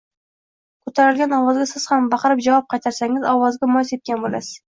Ko‘tarilgan ovozga siz ham baqirib javob qaytarsangiz, olovga moy sepgan bo‘lasiz.